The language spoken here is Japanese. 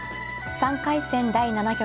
３回戦第７局。